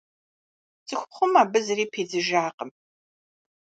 ЦӀыхухъум абы зыри пидзыжакъым.